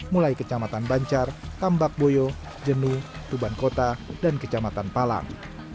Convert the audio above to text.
mulai kecamatan bancar tambak boyo jenuh tuban kota dan kecamatan palang